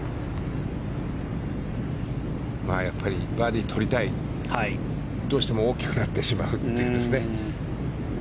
やっぱりバーディー取りたいどうしても大きくなってしまうというですね。